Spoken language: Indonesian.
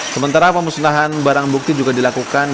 sementara pemusnahan barang bukti juga dilakukan